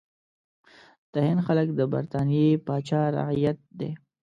د هند خلک د برټانیې پاچا رعیت دي.